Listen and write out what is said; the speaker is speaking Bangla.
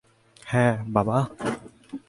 হ্যাঁ, বাবা?